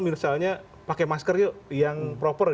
misalnya pakai masker yuk yang proper